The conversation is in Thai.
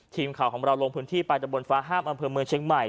ทีมข่าวของเราลงพื้นที่ไปตะบนฟ้าห้ามอำเภอเมืองเชียงใหม่